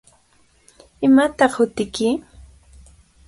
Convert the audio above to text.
¿Imataq hutiyki?